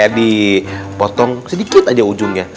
dipotong sedikit aja ujungnya